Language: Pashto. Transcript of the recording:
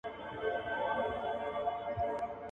هر سړى په خپل کور کي پاچا دئ.